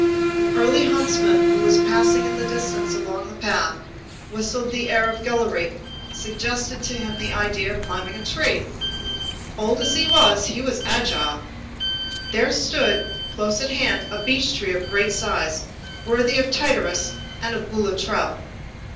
An early huntsman who was passing in the distance along a path, whistling the air of Guillery, suggested to him the idea of climbing a tree. Old as he was, he was agile. There stood close at hand a beech tree of great size, worthy of Tityrus and of Boulatruelle.